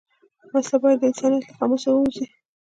وسله باید د انسانیت له قاموسه ووځي